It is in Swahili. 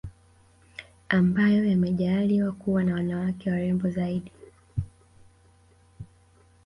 ambayo yamejaaliwa kuwa na wanawake warembo zaidi